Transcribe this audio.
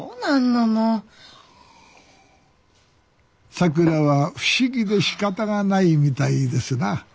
さくらは不思議でしかたがないみたいですな。